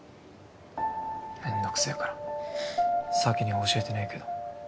めんどくせぇから咲には教えてねぇけど。